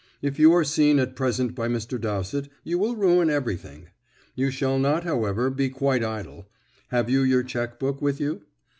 "If you are seen at present by Mr. Dowsett, you will ruin everything. You shall not, however, be quite idle. Have you your cheque book with you?"